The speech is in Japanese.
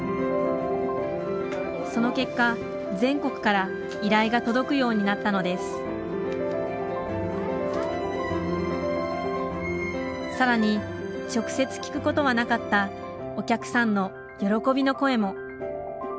その結果全国から依頼が届くようになったのです更に直接聞くことはなかったお客さんの喜びの声も。